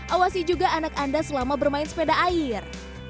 awasi juga anak anda selama bermain sepeda air